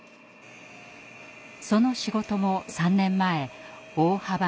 その仕事も３年前大幅に縮小。